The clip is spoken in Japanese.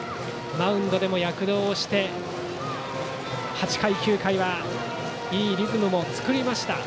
マウンドでも躍動して８回、９回はいいリズムも作りました。